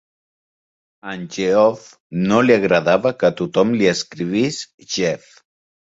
A Geoff no li agradava que tothom li escrivís Jeff.